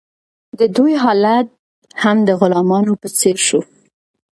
د دوی حالت هم د غلامانو په څیر شو.